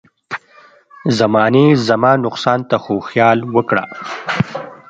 زمانې زما نقصان ته خو خیال وکړه.